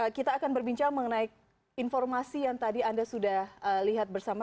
kita akan berbincang mengenai informasi yang tadi anda sudah lihat bersama